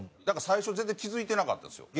最初全然気付いてなかったんですよ。